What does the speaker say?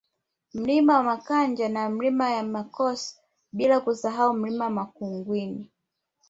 Mlima Makanja na Milima ya Makos bila kusahau Mlima Makungwini